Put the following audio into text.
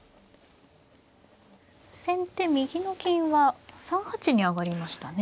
先手右の金は３八に上がりましたね。